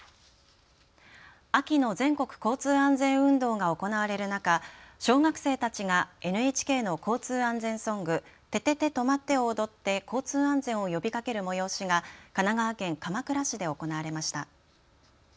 秋の全国交通安全運動が行われる中、小学生たちがＮＨＫの交通安全ソング、ててて！とまって！を踊って交通安全を呼びかける催しが神奈川県鎌倉市で行われました。